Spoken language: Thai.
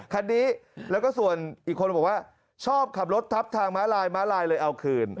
คันนี้แล้วก็ส่วนอีกคนบอกว่าชอบขับรถทับทางม้าลายม้าลายเลยเอาคืน